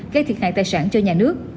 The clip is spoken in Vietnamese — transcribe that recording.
gây thiệt hại tài sản cho nhà nước